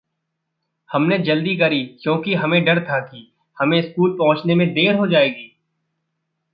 हमने जल्दी करी क्योंकि हमें डर था कि हमें स्कूल पहुँचने में देरी होजाएगी।